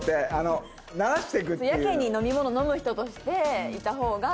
やけに飲み物飲む人としていた方が。